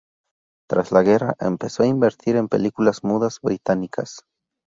Tras la guerra, empezó a intervenir en películas mudas británicas.